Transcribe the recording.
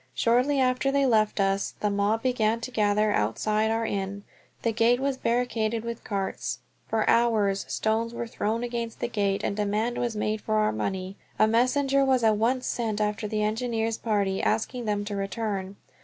Shortly after they left us the mob began to gather outside our inn. The gate was barricaded with carts. For hours stones were thrown against the gate and demand was made for our money. A messenger was at once sent after the engineers' party, asking them to return.